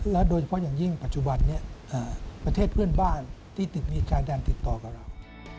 โดยเฉพาะอย่างยิ่งปัจจุบันนี้ประเทศเพื่อนบ้านที่มีการดันติดต่อกับเรา